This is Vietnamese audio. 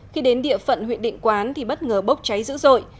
khi đến địa phận huyện định quán thì bất ngờ bốc cháy dữ dội